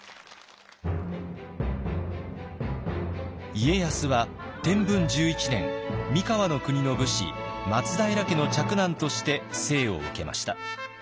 家康は天文１１年三河国の武士松平家の嫡男として生を受けました。